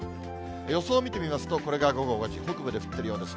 予想見てみますと、これが午後５時、北部で降ってるようです。